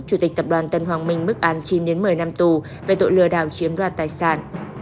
chủ tịch tập đoàn tân hoàng minh mức án chín đến một mươi năm tù về tội lừa đảo chiếm đoạt tài sản